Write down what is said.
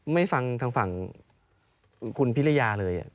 ไม่ฟังทางฝั่งคุณพิรยาเลย